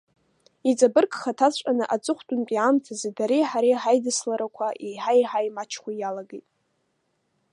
Иҵабыргхаҭаҵәҟьаны аҵыхәтәантәи аамҭазы дареи ҳареи ҳаидысларақәа еиҳа-еиҳа имаҷхо иалагеит.